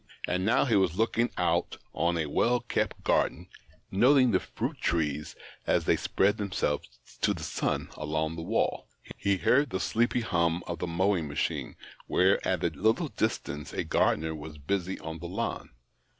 And now he was looking out on a well kept garden, noting the fruit trees as they spread themselves to the sun along the wall. He THE OCTAVE OP CLAUDIUS. 51 heard the sleepy hum of the mowing machine, where at a little distance a gardener was busy on the lawn.